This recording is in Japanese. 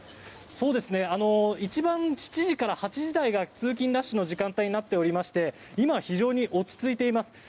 一番、７時から８時台が通勤ラッシュの時間帯になっていまして今、非常に落ち着いています。